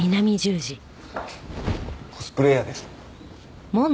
コスプレイヤーです。